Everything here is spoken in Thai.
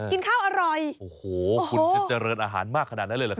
กินข้าวอร่อยโอ้โหคุณจะเจริญอาหารมากขนาดนั้นเลยเหรอครับ